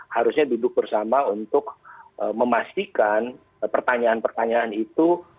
harusnya duduk bersama untuk memastikan pertanyaan pertanyaan yang ada di dalamnya